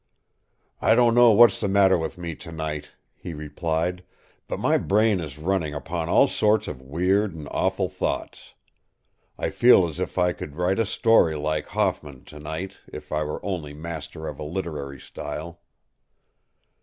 ” “I don’t know what’s the matter with me to night,” he replied, “but my brain is running upon all sorts of weird and awful thoughts. I feel as if I could write a story like Hoffman, to night, if I were only master of a literary style.